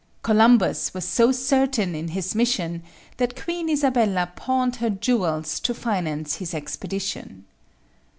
Columbus was so certain in his mission that Queen Isabella pawned her jewels to finance his expedition.